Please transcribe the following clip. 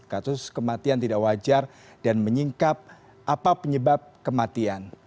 kasus kematian tidak wajar dan menyingkap apa penyebab kematian